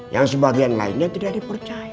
yang sebagian lainnya tidak dipercaya